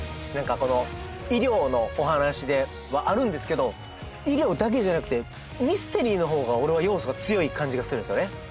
何かこの医療のお話ではあるんですけど医療だけじゃなくてミステリーのほうが俺は要素が強い感じがするんですよね。